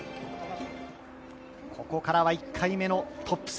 ここからは１回目のトップ３。